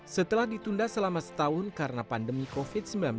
setelah ditunda selama setahun karena pandemi covid sembilan belas